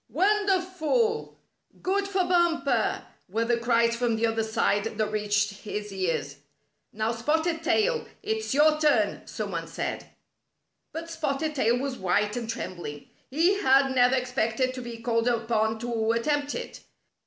"Wonderful! Good for Bumper!" were the cries from the other side that reached his ears. "Now Spotted Tail, it's your turn!" some one said. But Spotted Tail was white and trembling. He had never expected to be called upon to at tempt it.